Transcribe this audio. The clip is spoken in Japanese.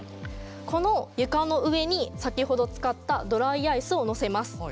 この床の上に先ほど使ったドライアイスを乗せます。